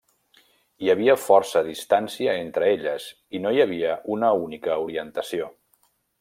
Hi havia força distància entre elles i no hi havia una única orientació.